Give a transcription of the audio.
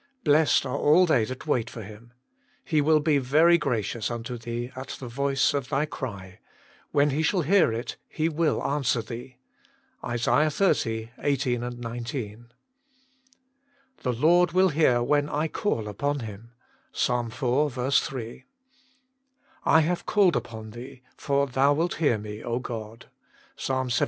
Blessed are all they that wait for Him. He will be very gracious unto thee at the voice of thy cry ; when He shall hear it, He will answer thee." ISA. xxx. 18, 19. " The Lord will hear when / call upon Him." Ps. iv. 3. " I have called upon Thee, for Thou wilt hear me, God !" Ps. xvii.